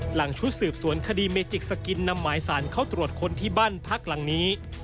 หลังชุดสืบสวนคดีเมจิกสกินนำหมายสารเข้าตรวจค้นที่บ้านพักหลังนี้